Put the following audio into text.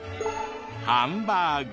ハンバーグ。